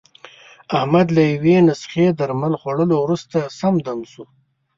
احمد له یوې نسخې درمل خوړلو ورسته، سم دم شو.